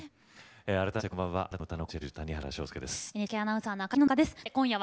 改めましてこんばんは。